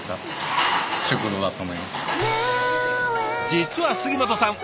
実は杉本さん